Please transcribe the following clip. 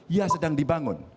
ya sedang dibangun